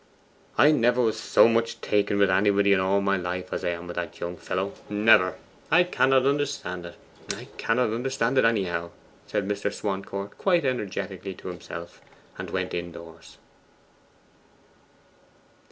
'I never was so much taken with anybody in my life as I am with that young fellow never! I cannot understand it can't understand it anyhow,' said Mr. Swancourt quite energetically to himself; and went indoors.